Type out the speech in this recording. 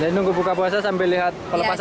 dan nunggu buka puasa sambil melihat pelepasan tukik